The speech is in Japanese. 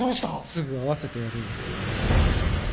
すぐ会わせてやるよ